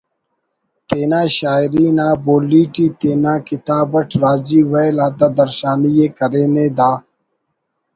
تینا شاعری نا بولی ٹی تینا کتاب اٹ راجی ویل آتا درشانی ءِ کرینے دا